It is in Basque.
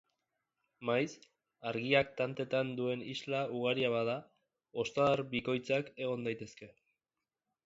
Maiz, argiak tantetan duen isla ugaria bada, ostadar bikoitzak egon daitezke.